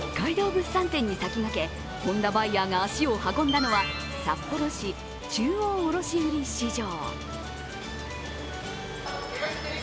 物産展に先駆け本田バイヤーが足を運んだのは札幌市中央卸売市場。